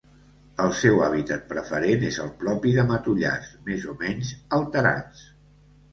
El seu hàbitat preferent és el propi de matollars, més o menys alterats.